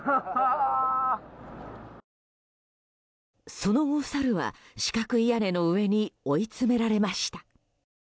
その後サルは四角い屋根の上に追い詰められました。